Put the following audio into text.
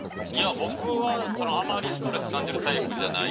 僕はあまりストレス感じるタイプじゃない。